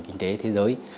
kinh tế thế giới